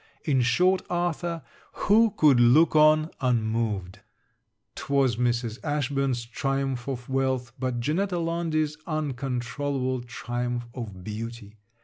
In short, Arthur, who could look on unmoved. 'Twas Mrs. Ashburn's triumph of wealth, but Janetta Laundy's uncontrollable triumph of beauty.